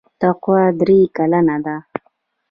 تقوا درې کلنه ده.